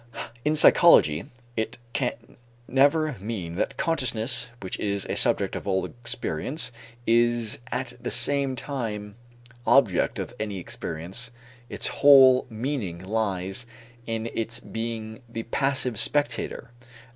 In psychology, it can never mean that the consciousness which is a subject of all experience is at the same time object of any experience. Its whole meaning lies in its being the passive spectator.